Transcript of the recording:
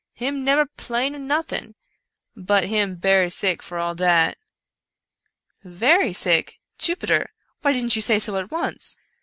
— him neber 'plain of notin' — ^but him berry sick for all dat." Very sick, Jupiter! — why didn't you say so at once?